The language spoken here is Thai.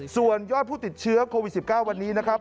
ส่วนยอดผู้ติดเชื้อโควิด๑๙วันนี้นะครับ